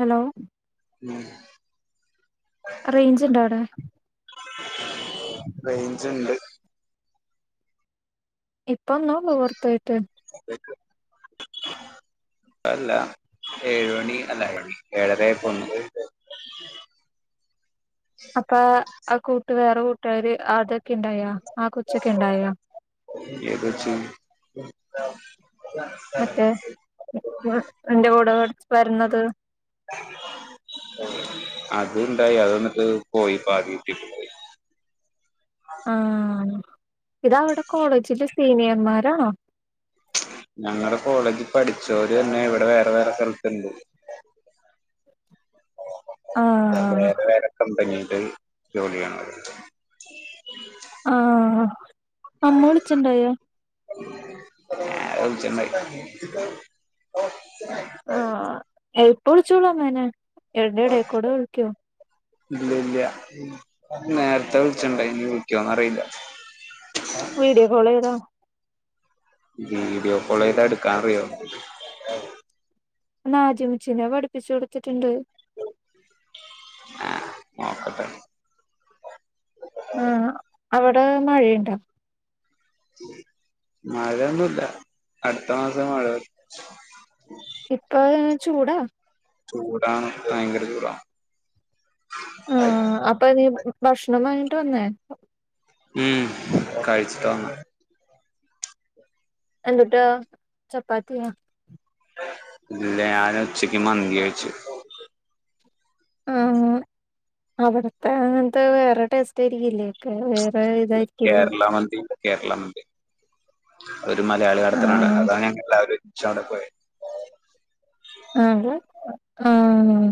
Hello ഉം റേഞ്ചിണ്ടോ അവിടെ റേഞ്ച് ഇണ്ട് ഇപ്പൊ ഒന്ന് [unintelligible] അല്ല ഏഴു മണി അല്ല ഏഴര ആയപ്പ വന്നത് അപ്പ ആ കൂട്ട് വേറെ കൂട്ടാര് അതൊക്കെ ഇണ്ടായാ ആ കൊച്ചൊക്കെ ഇണ്ടായാ ഏതൊച്ചാ മറ്റേ എന്റെ കൂടെ വരുന്നത് അത് ഇണ്ടായി അത് എന്നിട്ട് പോയി പാതിട്ട് ആഹ് ഇതവിടെ കോളേജില് സീനിയർമാരാണോ ഞങ്ങടെ കോളേജിൽ പഠിച്ചോര് തന്നെ ഇവിടെ വേറെ വേറെ സ്ഥലത്തുണ്ട് ആഹ് വേറെ വേറെ കമ്പനില് ജോലി ചെയ്യാണ് ആഹ് ആഹ് ൗച്ച ഭ ആഹ് എപ്പ വിളിച്ചോളു എന്നെ അൻ്റ എടേ കൂടെ വിളിക്കോ ഇല്ല ഇല്ല നേരത്തെ വിളിച്ചിട്ടുണ്ട [unintelligible] അറിയില്ല വീഡിയോ കോള് ചെയ്തൊ വീഡിയോ കോൾ ചെയ്താ എടുക്കാൻ അറിയോ ഉ നാജിമുച്ചീനെ പഠിപ്പിച്ചു കൊടുത്തിട്ടുണ്ട് ആഹ് നോക്കട്ടെ ആ അവിടെ മഴയുണ്ട മഴൊന്നുംല്ല അടുത്ത മാസം മഴ ഇപ്പ ചൂടാ ചൂടാണ് ഭയങ്കര ചൂടാ ആഹ് അപ്പൊ നീ ഭക്ഷണം വാങ്ങിട്ട് വന്നേ ഉം കഴിച്ചിട്ട് വന്നാ എന്തൂട്ട ചപ്പാത്തിയാ ഇല്ല ഞാന് ഉച്ചക്ക് മന്തി കഴിച്ചു ആ അവിടത്തെ അങ്ങനത്തെ വേറെ ടേസ്റ്റായിരിക്കില്ലേ ഒക്കെ വേറെ ഇതായിരിക്കും കേരള മന്തിയല്ല, കേരള മന്തി ഒരു മലയാളികടത്തണ കട ആഹ് അതാണ് ഞ എല്ലാവരും ചട പോയി ആഹ ആഹ്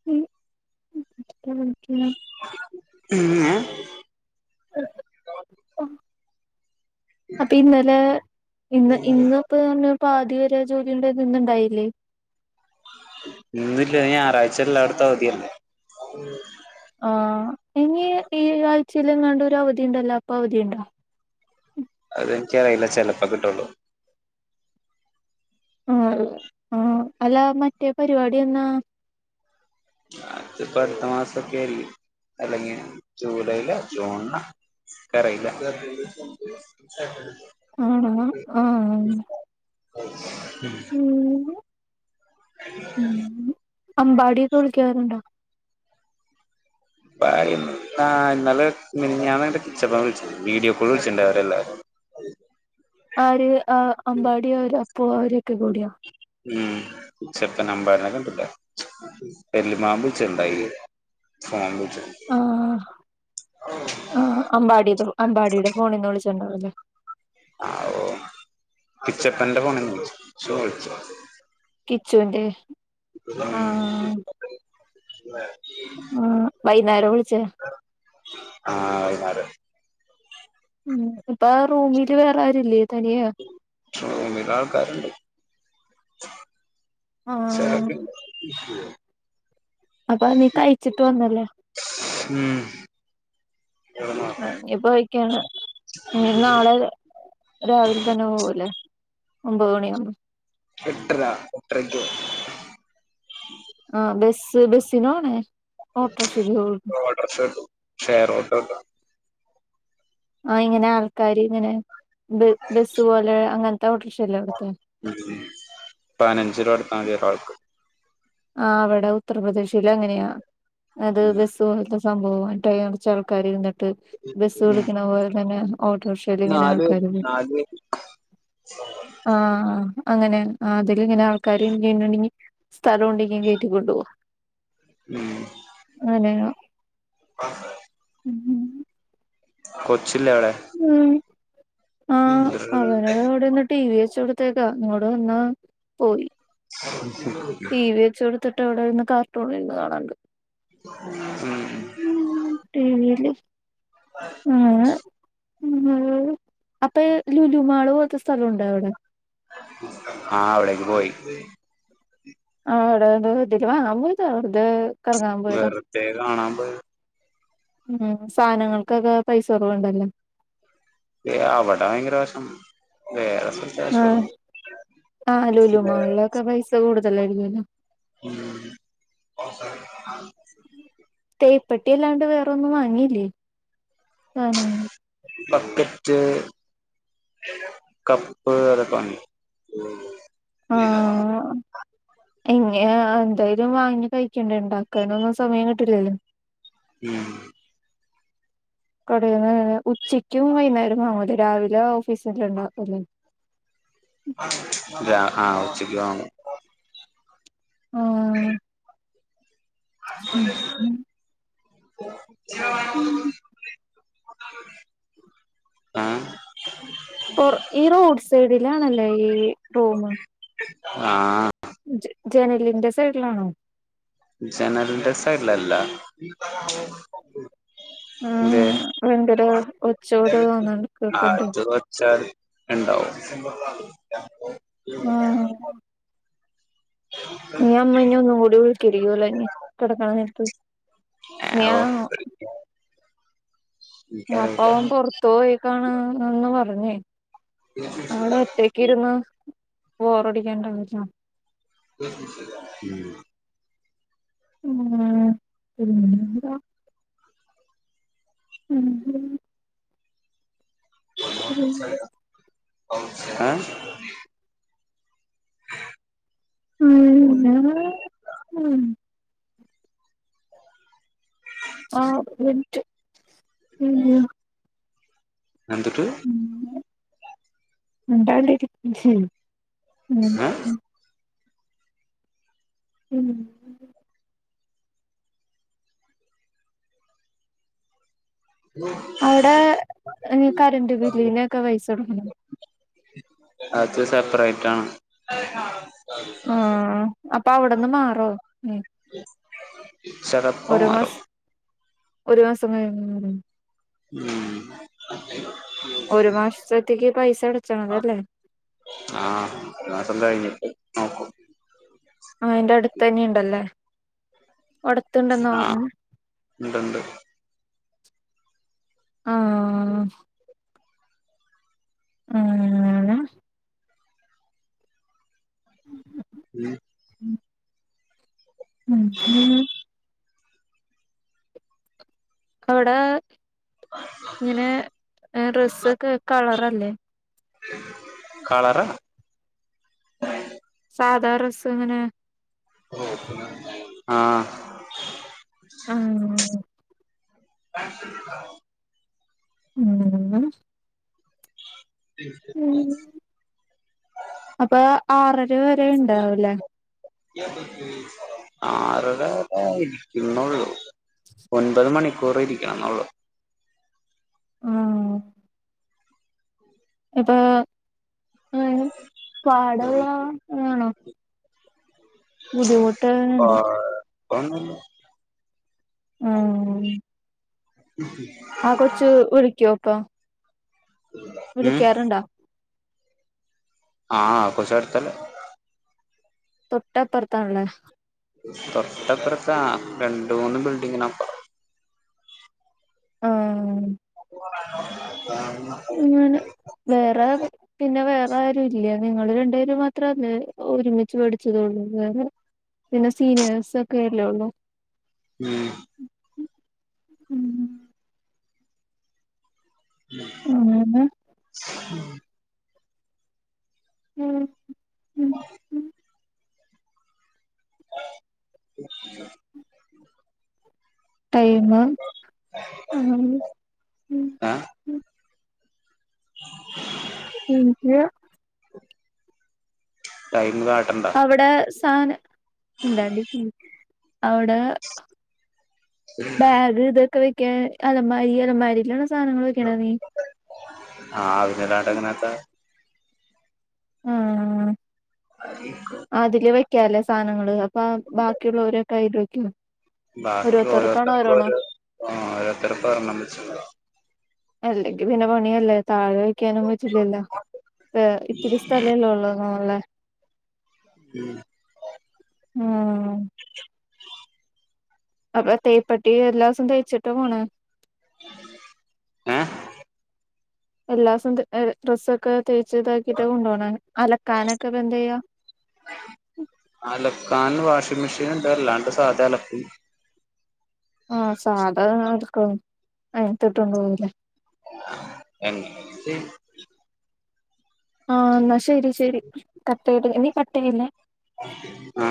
[unintelligible] പിന്നെ അപ്പ ഇന്നലെ ഇന്ന്, ഇന്ന്പ്പൊ പറഞ്ഞ് പാതിവരെ ജോലിണ്ട് ഇത് ന്ന്‌ ഇണ്ടായില്ലേ. ഇന്നില്ല ഞായറാഴ്ച എല്ലാടത്തും അവധില്ലെ. ഉം ആഹ് ഇനി ഈ ആഴ്ചയിലെങ്ങാണ്ട് ഒരു അവധിണ്ടല്ലോ അപ്പൊ അവധിണ്ടോ? അതെനിക്കറിയില്ല ചെലപ്പ കിട്ടുള്ളൂ. ആ, ആ അല്ല മറ്റേ പരിപാടി എന്നാ? അത്പ്പ അടുത്ത മാസൊക്കെരി അല്ലെങ്കി ജൂലൈയില, ജൂണില ക്കറിയില്ല. ആണ. ഉം ഉ ഉ അമ്പാടിക്കെ വിളിക്കാറുണ്ടോ? പ ഇന്നാ, ഇന്നലെ മിനങ്ങാന്ന്ണ്ട് കിച്ചപ്പ വിളിച്ച വീഡിയോ കോൾ വിളിച്ചിട്ടണ്ട അവരെല്ലാരും. ആര് അമ്പാടിയ അവര് അപ്പൂ അവരൊക്കെ കൂടിയോ. ഉം ചെപ്പ നമ്പാരനെ കിട്ടില്ല എല്ലമാമ്പച്ചുണ്ടായി. മാമ്പുജ ആ, ആ അമ്പാടി അമ്പാടിടെ ഫോണിന്ന് വിളിച്ചിണ്ടാവല്ലേ. ആ ഓ പിച്ചപ്പന്റെ ഫോണന്ന് വിളിച്ചു ചോയിച്ചു. കിച്ചുന്റെ ഉം ആഹ് [unintelligible] ആഹ് വൈന്നേരം വിളിച്ചെ. ആ വൈന്നേരം. ഉം ഇപ്പ റൂമില് വേറെ ആരുല്ലേ തനിയെയാ. റൂമിലാൾകാര്ണ്ട്. ആഹ് [unintelligible] [inaudible] അപ്പ നീ കയിച്ചിട്ട് വന്നല്ലേ. ഉം ആ ഇനിപ്പോ വൈക്കാണ് ഇനി നാളെ രാവിലെ തന്നെ പോവൂല്ലേ. ഒമ്പത് മണിയാവുമ്പം. എട്ടരാ എട്ടരയ്ക്ക് ആഹ് ബസ് ബസിനണെ. ഓടോർക്ഷട്ടും ഷെയറോട്ടട്ടും ആ ഇങ്ങനെ ആൾക്കാര് ഇങ്ങനെ ബ, ബസ്സ് പോലെ അങ്ങനത്തെ ഓട്ടോറിക്ഷല്ലെ അവിടുത്തെ. ഉം പയിനഞ്ചിര കൊട്ത്താതി ഒരാൾക്ക്. ആ അവിടെ ഉത്തർപ്രദേശിൽ അങ്ങനെയാ അത് ഉം ബെസ് ഇത്പോത്തെ സംഭവകുറച്ച ആൾക്കാര് ഇരുന്നിട്ട് ബസ്സ് വിളിക്കണ പോലെ തന്നെ ഓട്ടോറിക്ഷലിങ്ങനെ നാല് പേര് ആൾക്കാര് നാല് പേര് ആഹ അങ്ങനെ അതിലിങ്ങനെ ആൾക്കാര് [unintelligible] ണ് ണ്ടെ ങ്കി സ്ഥലോണ്ടെങ്കി കേറ്റിക്കൊണ്ടോവും. ഉം അതെയോ ഉ കൊച്ചില്ലെ അവിടെ? ഉം ആ ഉം അവനത് [unintelligible] അവിടെന്ന് ടി. വി വെച്ചോടുത്തേക്കാ ഇങ്ങോട് വന്ന് പോയി. [inaudible] ടി വി വെച്ച് കൊട്ത്ത്ട്ട് അവടെ ഇരുന്ന് കാർട്ടൂൺ ര്ന്ന് കാണ് ണ്ട് ഉം ഉം ടിവി ല് പറയ് ഉം അപ്പൊ ഈ ലുലുമാള് പോൽത്തെ സ്ഥലോണ്ടവടെ ആ അവിടേക്ക് പോയി [unintelligible] പോയതാ വെർതെ കാണാൻ പോയത് ഉം സാനങ്ങൾക്കൊക്കെ പൈസ കൊറവ് ണ്ടല്ലോ ഏ അവടെ ഭയങ്കര വെശം വേറെ കാശ് ആ കുറവ് ആ ലൂലുമാൾലൊക്കെ പൈസ കൂടുതലാ എല്ലേനും [inaudible] തേപ്പെട്ടി അല്ലാണ്ട് വേറൊന്നും വാങ്ങിലെ ആ ബക്കറ്റ് കപ്പ് തൊക്കെവാങ്ങി ഇങ്ങ എന്തായാലും വാങ്ങി കഴിക്കണ്ടേ ണ്ടാക്കാനൊന്നും സമയം കിട്ടില്ലല്ലോ ഉം [unintelligible] [inaudible] കടേന്ന് ഉച്ചക്കും വൈകുന്നേരം വാങ്ങൂലെ രാവിലെ ഓഫീസില് ണ്ടാക്കൂലെ അതെ ആ ഉച്ചക്ക് വാങ്ങും ആഹ് [inaudible] ഉം ഉം ഉം. [inaudible] ആ ഓർ ഈ റോഡ് സൈഡിലാണല്ലേ ഈ റൂമ് ആ ജെ ജെനലിന്റെ സൈഡിലാണോ ജെനലിന്റെ സൈഡിലല്ല എന്തെ ആഹ് ഭയങ്കര ഒച്ചോട് തോന്നുന്നുണ്ട് കേക്കണ്ട് [inaudible] ഇണ്ടാവും [unintelligible] ആ ആവോ [unintelligible] അപ്പൊ എനിക്കറിയില്ല അവൻ പൊർത്ത് പോയിക്കാണും എന്ന് പറഞ് അവിടൊറ്റ ഇരുന്ന് ബോറടിക്കേണ്ടെന്ന് വെച്ച [inaudible] പിന്നെ ഉം [unintelligible] [inaudible] എ ഉം ആ ഉം [unintelligible] എന്തുട്ട് പിന്നെ മിണ്ടാണ്ടിരി ഏ ഉം അവടെ ഈ കറന്റ് ബില്ലിനൊക്കെ പൈസ കൊട്ക്കണൊ അത് സെപ്പറേറ്റാണ് ആ അപ്പവ്ട്ന്ന് മാറോ ഉം [inaudible] ചെലപ്പം ഒരു മാറും മാസം ഒരു മാസം കഴിയുമ്പോ മാറും ഉം ഒരു മാസ്ത്തത്തേക്ക് പൈസ അടച്ചാണ് അല്ലേ ആഹ് ഒരു മാസം കഴിഞ്ഞ്‌ട്ട് ആഹ് അയ്ന്റെ അടുത്തന്നെ ഇണ്ടല്ലേ. ആഹ്‌ ഇണ്ട്ണ്ട്. ആഹ് [unintelligible] ഉം ഉം ഉം ഉം ഉം അവ്ടെ ങ്ങിനെ റെസ്സ് ഒക്കെ കളറല്ലേ കളറാ സാധാ റെസ്സ്‌ങ്ങനെ ആഹ്‌ ആഹ്‌ [inaudible] ഉം [inaudible] ഉം അപ്പൊ ആറര വരെണ്ടാവും ല്ലെ ആറര ഇരിക്കുന്നൊള്ളു ഒൻപത് മണിക്കൂറ് ഇരിക്കണം ന്ന് ള്ളൂ ആഹ് ഇപ്പ [unintelligible] പാടുള്ള ബുദ്ധിമുട്ട് ഉണ്ട് കോയ്പ്പം ആഹ് [unintelligible] ആ കൊച്ച് വിളിക്കോപ്പം ഉം വിളിക്കാറുണ്ടോ ആഹ് ആ കൊച്ച് അട്ത്തല്ല തൊട്ടപ്പർത്താണ്ല്ലേ തൊട്ടപ്പർത്താ രണ്ട്‌ മൂന്ന് ബിൽഡിങ്ങിന് അപ്പറം ആഹ് [unintelligible] അങ്ങനെ വേറെ പിന്നെ വേറെ ആരും ഇല്ലേ. നിങ്ങള് രണ്ടുപേര് മാത്രല്ലേ ഒരുമിച്ച് പഠിച്ചതുള്ളൂ വേറെ പിന്നെ സീനിയേഴ്സ് ഒക്കെ അല്ലെ ഉള്ളു ഉം ഉം അങ്ങനെ [unintelligible] ഉം [inaudible] ടൈമ് [unintelligible] ഏ [inaudible] [unintelligible] ടൈം കാ അവിടെ സാനം ഇണ്ടാ [unintelligible] അവടെ ബാഗ് ഇതൊക്കെ വെക്കാ അലമാരി അലമാരിലാണ് സാധനങ്ങള് വെക്കണ നീ ആഹ് പിന്നല്ലാണ്ട് എങ്ങനാപ്പ ആഹ് [unintelligible] അതില് വെക്കാല്ലേ സാനങ്ങള് അപ്പ ബാക്കിയുള്ളവരക്കെ അയ്ൽ വെക്കും ബാക്കി ഓരോരുത്തർക്കാണ് ഓരോരുത്തർക്കും ഓരോണോ ഓരോ ഓരോരുത്തർക്കും ഒരെണ്ണം വെച്ച് അല്ലെങ്കിൽ പിന്നെ പണിയല്ലേ താഴെ വെക്കാനും പറ്റില്ലല്ലോ ഇത്തിരി സ്ഥലല്ലേ ഒള്ളു മേള് ള്ള് ഉം ഉം അപ്പൊ തേപ്പട്ടി എല്ലാ ദിവസം തേച്ചിട്ട് പോണെ ഏഹ് [inaudible] എല്ലാ സം ഡ്രസ്സൊക്കെ തേച്ച് ഇതാക്കിയിട്ട് കൊണ്ടുപോണേ അലക്കാനൊക്കെ ഇപ്പ എന്ത് യ്യ അലക്കാൻ വാഷിംഗ് മെഷീൻ ഒണ്ട് അല്ലാണ്ട് സാധാ അലക്കും ആഹ് സാധാ ങ്ങനെഅലക്കും അയിനത്തു ഇട്ടോണ്ട് പോവുല്ലേ [unintelligible] ആഹ് എന്നാ ശരി ശരി കട്ട്‌ ചെയ്ത് നീ കട്ട് ചെയ്യല്ലേ ആഹ്